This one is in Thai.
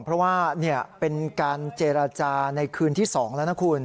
เพราะว่าเป็นการเจรจาในคืนที่๒แล้วนะคุณ